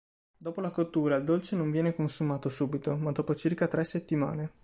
Dopo la cottura, il dolce non viene consumato subito, ma dopo circa tre settimane.